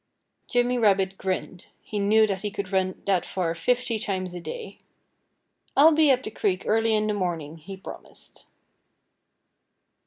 Jimmy Rabbit grinned. He knew that he could run that far fifty times a day. "I'll be at the creek early in the morning," he promised.